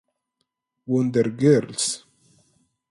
Wonder Girls